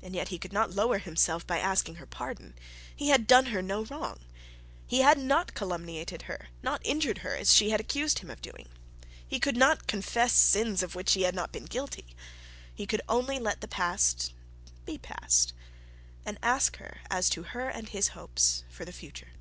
And that he could not lower himself by asking for her pardon. He had done no wrong. He had not calumniated her, not injured her, as she had accused him of doing. He could not confess sins of which had not been guilty. He could only let the past be past, and ask her as to her and his hopes for the future.